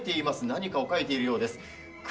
何かを描いているようです。